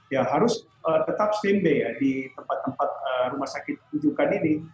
ya harus tetap stand by ya di tempat tempat rumah sakit rujukan ini